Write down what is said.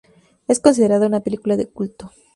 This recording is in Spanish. Es considerada una película de culto.